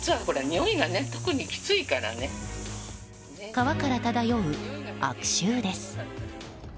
川から漂う悪臭です。